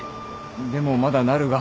でもまだなるが。